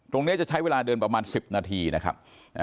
จะใช้เวลาเดินประมาณ๑๐นาทีนะครับ